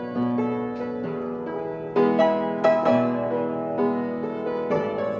mbak desi nyanyi